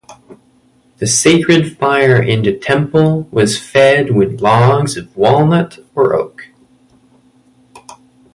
The sacred fire in the temple was fed with logs of walnut or oak.